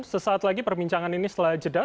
sesaat lagi perbincangan ini setelah jeda